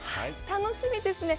楽しみですね。